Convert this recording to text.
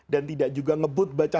dan tidak juga ngebut berjamaah